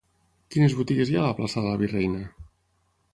Quines botigues hi ha a la plaça de la Virreina?